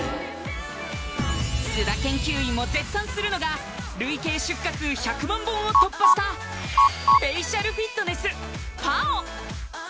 須田研究員も絶賛するのが累計出荷数１００万本を突破したフェイシャルフィットネスＰＡＯ